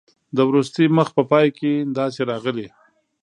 د وروستي مخ په پای کې داسې راغلي.